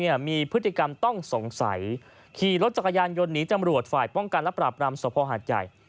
มีพฤติกรรมต้องสงสัยขี่รถจักรยานยนต์หนีตำรวจฝ่ายป้องกันและปราบรามสภหาดใหญ่